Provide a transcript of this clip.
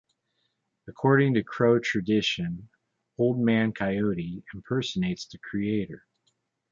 According to Crow tradition, Old Man Coyote impersonates the Creator.